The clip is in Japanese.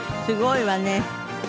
すごいわね。